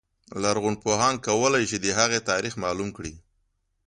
لرغونپوهان کولای شي د هغې تاریخ معلوم کړي.